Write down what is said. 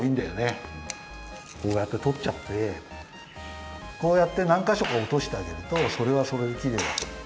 こうやってとっちゃってこうやってなんかしょかおとしてあげるとそれはそれできれいになってく。